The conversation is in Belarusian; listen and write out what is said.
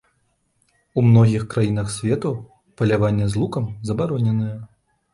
У многіх краінах свету паляванне з лукам забароненае.